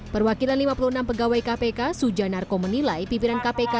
perwakilan lima puluh enam pegawai kpk sujanarko menilai pimpinan kpk